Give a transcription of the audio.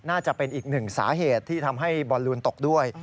น่าจะเป็นอีกหนึ่งสาเหตุที่ทำให้บอลลูนตกด้วย